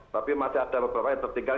tapi masih ada beberapa yang tertinggal